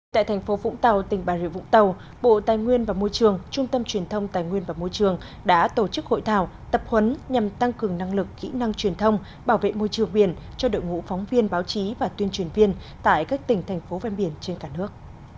tại thành phố vũng tàu tỉnh bà rịa vũng tàu bộ tài nguyên và môi trường trung tâm truyền thông tài nguyên và môi trường đã tổ chức hội thảo tập huấn nhằm tăng cường năng lực kỹ năng truyền thông bảo vệ môi trường biển cho đội ngũ phóng viên báo chí và tuyên truyền viên tại các tỉnh thành phố ven biển trên cả nước